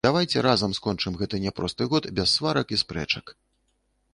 Давайце разам скончым гэты няпросты год без сварак і спрэчак.